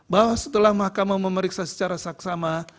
bahwa setelah mahkamah memeriksa secara saksama